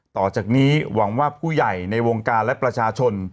ต่อจากนี้หวังว่าผู้ใหญ่ในวงการและประชาชน